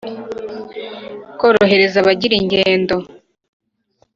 korohereza abagira ingendo